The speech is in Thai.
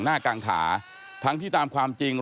นั่นแหละสิเขายิบยกขึ้นมาไม่รู้ว่าจะแปลความหมายไว้ถึงใคร